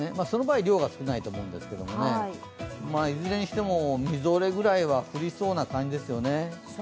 その場合量は少ないと思うんですがいずれにしてもみぞれぐらいは降りそうな感じですね。